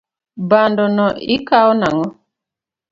Bando no ikao nang'o?